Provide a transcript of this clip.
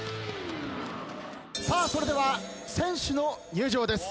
さあそれでは選手の入場です。